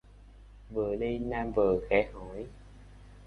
Vừa đi nam vừa khẽ hỏi